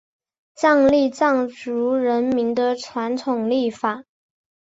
藏历藏族人民的传统历法。